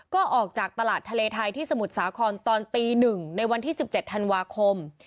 ก็ออกจากตลาดทะเลไทยที่สมุทรสาครตอนตี๑ในวันที่๑๗ธันวาคม